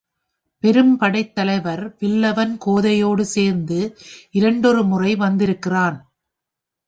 பெரும்படைத்தலைவர் வில்லவன் கோதையோடு சேர்ந்து இரண்டொருமுறை வந்திருக்கிறான்.